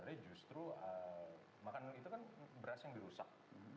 nasi putih itu bukan makanan yang gampang cernak